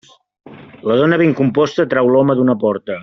La dona ben composta trau l'home d'una porta.